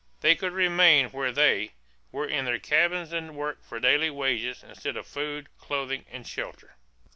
They could remain where they, were in their cabins and work for daily wages instead of food, clothing, and shelter.